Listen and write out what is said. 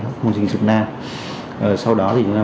không tình dục na sau đó thì chúng ta